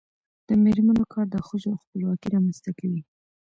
د میرمنو کار د ښځو خپلواکي رامنځته کوي.